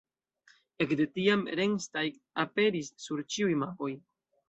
Ekde tiam Rennsteig aperis sur ĉiuj mapoj.